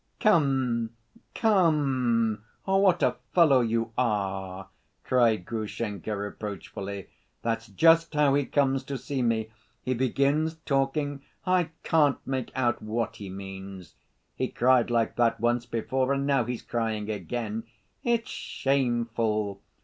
"Come, come, what a fellow you are!" cried Grushenka reproachfully. "That's just how he comes to see me—he begins talking, and I can't make out what he means. He cried like that once before, and now he's crying again! It's shameful!